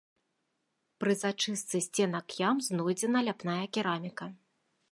Пры зачыстцы сценак ям знойдзена ляпная кераміка.